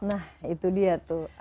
nah itu dia tuh